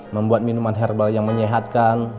membuat minuman herbal yang menyehatkan